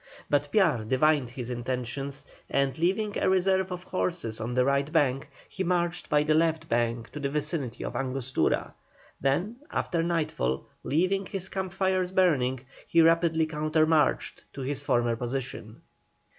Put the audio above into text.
But Piar divined his intentions, and leaving a reserve of horses on the right bank, he marched by the left bank to the vicinity of Angostura, then, after nightfall, leaving his camp fires burning, he rapidly countermarched to his former position.